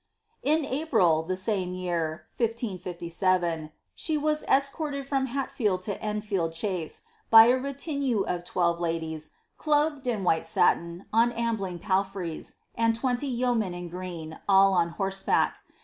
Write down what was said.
^In April, the same year (1557), she was escorted from Hatfield to Enfield chase, by a retinue of twelve ladies, clothed in white satin, on ambling palfreys, and twenty yeomen in green, all on horseback, that * MS.